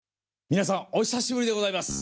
皆さんお久しぶりでございます